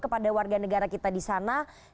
kepada warga negara kita disana